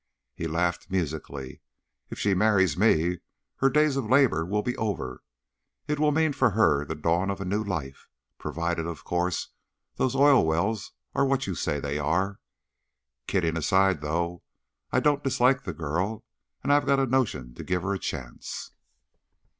He laughed musically. "If she marries me her days of labor will be over; it will mean for her the dawn of a new life provided, of course, those oil wells are what you say they are. Kidding aside, though, I don't dislike the girl and I've a notion to give her a chance."